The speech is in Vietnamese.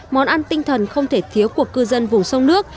món ăn tinh thần không thể thiếu của cư dân vùng sông nước